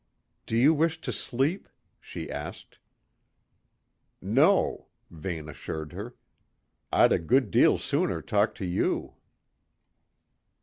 "Do you wish to sleep?" she asked. "No," Vane assured her; "I'd a good deal sooner talk to you."